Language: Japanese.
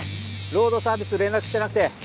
ロードサービス連絡してなくて。